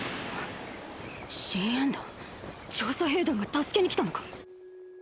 信煙弾⁉調査兵団が助けに来たのか！！